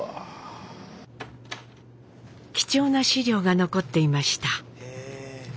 貴重な資料が残っていました。